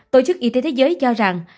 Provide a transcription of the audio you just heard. tổ chức y tế thế giới cho rằng